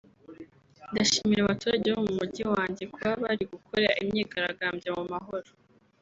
ndashimira abaturage bo mu mujyi wanjye kuba bari gukora imyigaragambyo mu mahoro